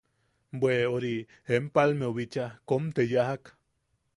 –Bwe... ori... Empalmeu bicha kom te yajak.